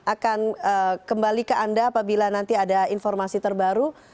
akan kembali ke anda apabila nanti ada informasi terbaru